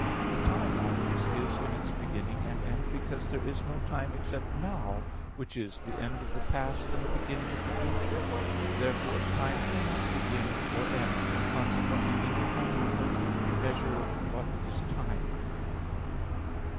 But time always is in its beginning and end, because there is no time except "now" which is the end of the past and the beginning of the future. Therefore time cannot begin or end, and consequently neither can movement, the measure of what is time.